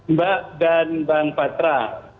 mbak dan bang patra